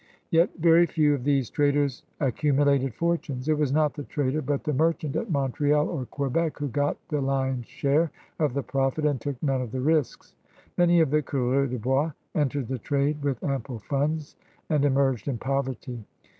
Yet very few of these traders accu mulated fortimes. It was not the trader but the merchant at Montreal or Quebec who got the lion's share of the profit and took none of the risks. Many of the coureurs de bois entered the trade with ample funds and emerged in poverty.